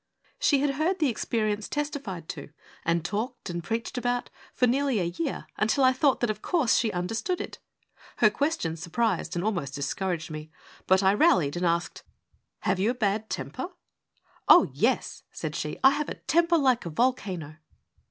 She had heard the experience testified to, and talked and preached about, for nearly a year, until I thought that, of course, she understood it. Her question surprised and almost discouraged me, but I rallied and asked, ' Have you a bad temper ?'' Oh, yes,' said she, ' I have a temper like a volcano.